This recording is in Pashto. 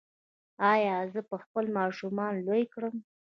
ایا زه به خپل ماشومان لوی کړم؟